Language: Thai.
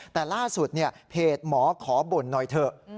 แต่ล่าสุดเพจหมอขอบ่นหน่อยเถอะ